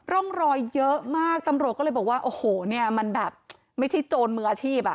ร่องรอยเยอะมากตำรวจก็เลยบอกว่าโอ้โหเนี่ยมันแบบไม่ใช่โจรมืออาชีพอ่ะ